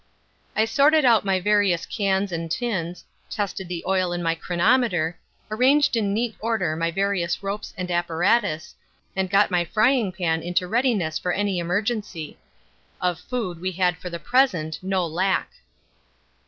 I sorted out my various cans and tins, tested the oil in my chronometer, arranged in neat order my various ropes and apparatus, and got my frying pan into readiness for any emergency. Of food we had for the present no lack.